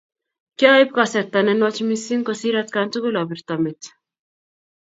Kiaip kasarta ne nwach missing kosir atkaan tugul apirto met.